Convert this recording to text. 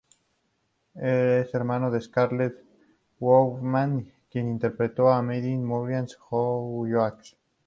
Es hermano de Scarlett Bowman, quien interpretó a Maddie Morrison en Hollyoaks.